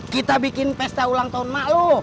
kita bikin pesta ulang tahun emak lo